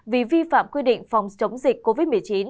vì vi phạm quy định phòng chống dịch covid một mươi chín